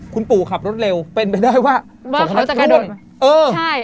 คุณปู่ขับรถเร็วเป็นไปได้ว่าว่าเขาจะกระโดดเออใช่